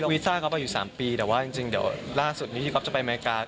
วีซ่าก็อยู่๓ปีแต่ว่าจริงนี้ก็ล่าสุดที่ก็จะไปอเมริกา